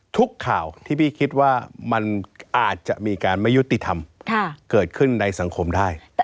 ทุกข่าวที่พี่คิดว่ามันอาจจะมีการไม่ยุติธรรมเกิดขึ้นในสังคมได้